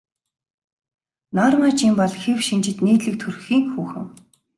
Норма Жин бол хэв шинжит нийтлэг төрхийн хүүхэн.